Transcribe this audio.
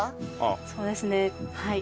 そうですねはい。